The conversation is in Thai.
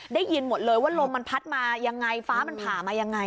ได้ยินหมดเลยว่าลมมันพัดมายังไงฟ้ามันผ่ามายังไง